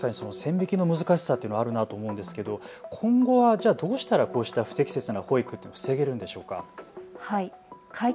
確かに線引きの難しさってあるなと思うんですけど今後はどうしたらこうした不適切な保育を防げるのでしょうか。